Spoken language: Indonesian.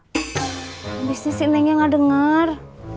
habis ini si nengnya gak denger